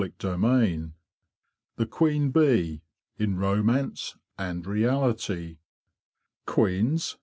CHAPTER XII THE QUEEN BEE: IN ROMANCE AND REALITY " (\UEENS?"